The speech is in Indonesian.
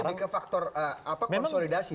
jadi lebih ke faktor konsolidasi